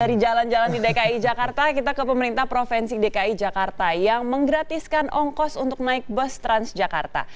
dari jalan jalan di dki jakarta kita ke pemerintah provinsi dki jakarta yang menggratiskan ongkos untuk naik bus transjakarta